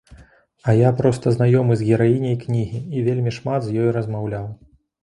А я проста знаёмы з гераіняй кнігі і вельмі шмат з ёй размаўляў.